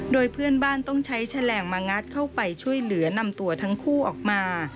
โดยเพื่อนบ้านต้องใช้แฉลงมางัดเข้าไปช่วยเหลือนำตัวทั้งคู่ออกมา